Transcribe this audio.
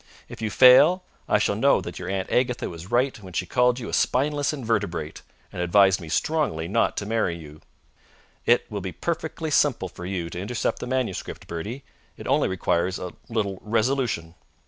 If you fail, I shall know that your Aunt Agatha was right when she called you a spineless invertebrate and advised me strongly not to marry you. It will be perfectly simple for you to intercept the manuscript, Bertie. It only requires a little resolution."